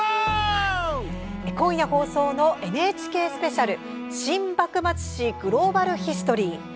今夜、放送のＮＨＫスペシャル「新・幕末史グローバル・ヒストリー」。